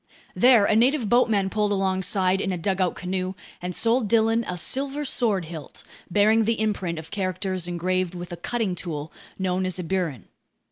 There a native boatman pulled alongside in a dugout canoe and sold Dillon a silver sword hilt bearing the imprint of characters engraved with a cutting tool known as a burin.